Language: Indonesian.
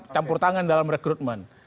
campur tangan dalam rekrutmen